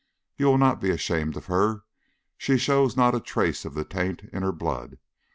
You will not be ashamed of her. She shows not a trace of the taint in her blood.